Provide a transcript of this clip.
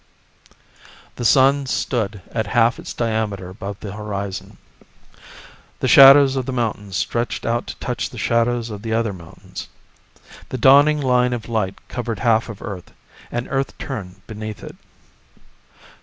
The sun stood at half its diameter above the horizon. The shadows of the mountains stretched out to touch the shadows of the other mountains. The dawning line of light covered half of Earth, and Earth turned beneath it.